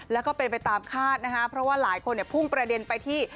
แล้วก็เป็นไปตามคาดนะคะเพราะว่าหลายคนเนี่ยพุ่งประเด็นไปที่